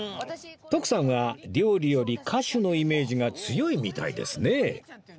徳さんは料理より歌手のイメージが強いみたいですね